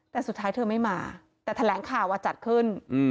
แต่สุดท้ายเธอไม่มาแต่แถลงข่าวว่าจัดขึ้น